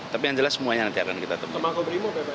tapi yang jelas semuanya nanti akan kita temui